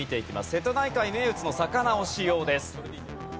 瀬戸内海名物の魚を使用です。